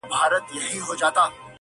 ورور مي اخلي ریسوتونه ښه پوهېږم,